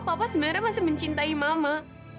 papa sebenarnya masih mencintai mama